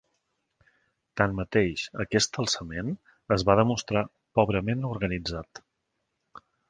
Tanmateix, aquest alçament es va demostrar pobrament organitzat.